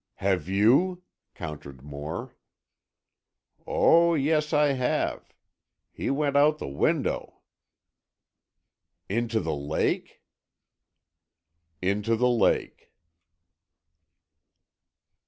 "Have you?" countered Moore. "Oh, yes, I have. He went out the window." "Into the lake?" "Into the lake."